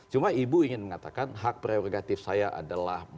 cuma ibu ingin mengatakan hak prerogatif saya adalah